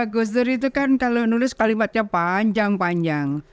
gustur itu kan kalau nulis kalimatnya panjang panjang